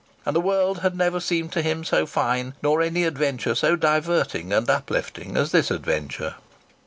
And the world had never seemed to him so fine, nor any adventure so diverting and uplifting as this adventure.